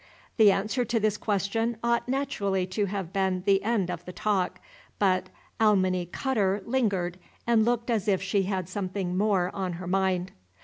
The answer to this question ought naturally to have been the end of the talk; but Alminy Cutterr lingered and looked as if she had something more on her mind.